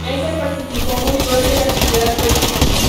Nasser participó muy pronto en la actividad política.